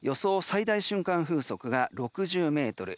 最大瞬間風速が６０メートル。